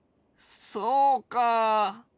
そうか。